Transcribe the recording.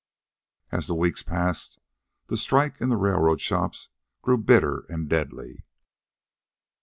As the weeks passed, the strike in the railroad shops grew bitter and deadly.